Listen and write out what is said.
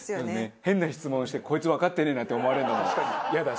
変な質問してこいつわかってねえなって思われるのもイヤだし。